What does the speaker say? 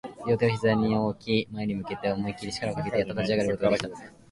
両手を膝に置き、前に向けて思いっきり力をかけて、やっと立ち上がることができた